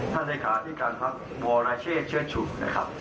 ท่านเหล้าขาดิ์การภักดิ์บัวราเชษเชื้อชุดนะครับ